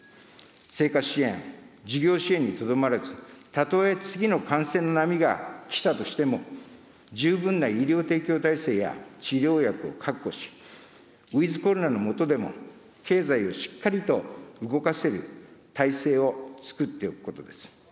生活支援、事業支援にとどまらず、たとえ次の感染の波が来たとしても、十分な医療提供体制や治療薬を確保し、ウィズコロナの下でも経済をしっかりと動かせる体制をつくっておくことです。